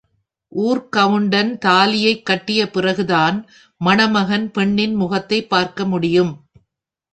ஊர்க்கவுண்டன் தாலியைக் கட்டிய பிறகுதான் மணமகன் பெண்ணின் முகத்தைப் பார்க்க முடியும்.